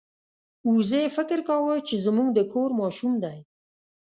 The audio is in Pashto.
وزې فکر کاوه چې زموږ د کور ماشوم دی.